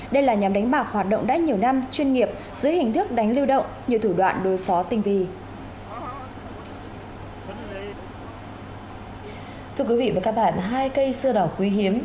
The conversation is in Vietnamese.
đây là nhóm đánh bạc hoạt động đã nhiều năm chuyên nghiệp dưới hình thức đánh lưu động nhiều thủ đoạn đối phó tinh vi